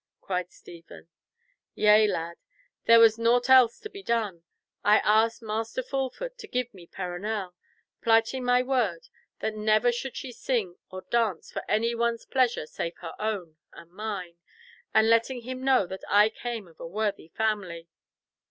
cried Stephen. "Yea, lad, there was nought else to be done. I asked Master Fulford to give me Perronel, plighting my word that never should she sing or dance for any one's pleasure save her own and mine, and letting him know that I came of a worthy family.